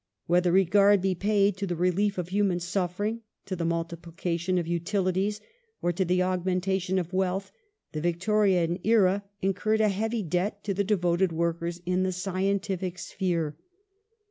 Whether regard be paid to the relief of human suffering, to the multiplication of utilities, or to the augmentation of wealth, the Victorian era incurred a heavy debt to the devoted workers in the scientific sphere.